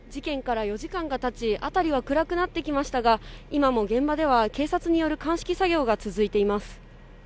辺りは暗くなってきましたが、今も現場では警察による鑑識作業が続いています。